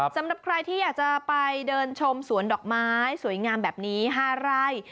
สำหรับใครที่อยากจะไปเดินชมสวนดอกไม้สวยงามแบบนี้๕ไร่